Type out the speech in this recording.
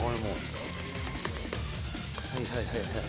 「はいはいはいはい。